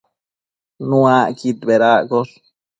Nuacquid bedaccosh